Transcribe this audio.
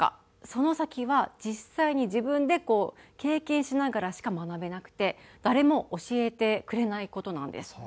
その先は実際に自分で経験しながらしか学べなくて誰も教えてくれない事なんです。